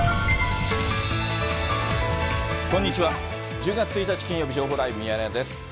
１０月１日金曜日、情報ライブミヤネ屋です。